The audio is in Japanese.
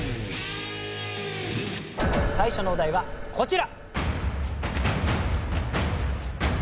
最初のお題はこちら！